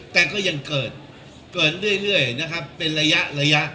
แต่ก็ยังเกิดเกิดเรื่อยนะครับเป็นระยะระยะ